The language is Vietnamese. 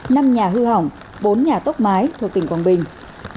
năm nhà hư hỏng bốn nhà tốc mái thuộc tỉnh quảng bình